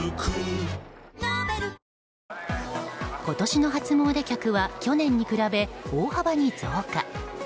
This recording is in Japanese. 今年の初詣客は去年に比べ大幅に増加。